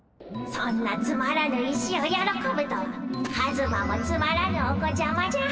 そんなつまらぬ石をよろこぶとはカズマもつまらぬお子ちゃまじゃ。